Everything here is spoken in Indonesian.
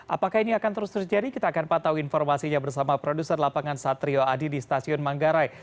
apakah ini akan terus terjadi kita akan patau informasinya bersama produser lapangan satrio adi di stasiun manggarai